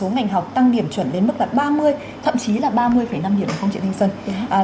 và một số ngành học tăng điểm chuẩn đến mức là ba mươi thậm chí là ba mươi năm điểm của công trị thanh xuân